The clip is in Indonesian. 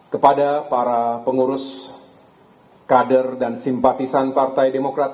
kepada para pengurus kader dan simpatisan partai demokrat